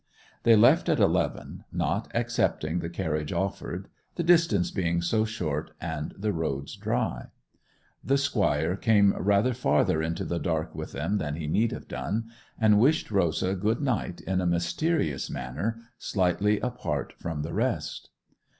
They left at eleven, not accepting the carriage offered, the distance being so short and the roads dry. The squire came rather farther into the dark with them than he need have done, and wished Rosa good night in a mysterious manner, slightly apart from the rest.